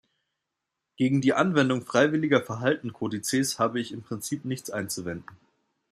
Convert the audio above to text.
Gegen die Anwendung freiwilliger Verhaltenskodizes habe ich im Prinzip nichts einzuwenden.